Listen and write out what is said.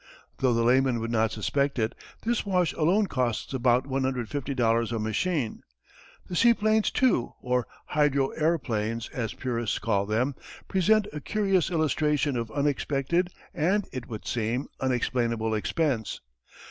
Though the layman would not suspect it, this wash alone costs about $150 a machine. The seaplanes too or hydroaëroplanes as purists call them present a curious illustration of unexpected and, it would seem, unexplainable expense.